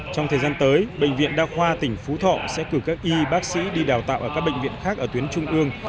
trong thời gian tới bệnh viện đa khoa tỉnh phú thọ sẽ cử các y bác sĩ đi đào tạo ở các bệnh viện khác ở tuyến trung ương